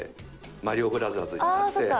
『マリオブラザーズ』になって。